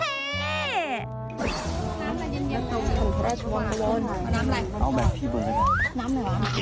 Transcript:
น้ำเหรอครับ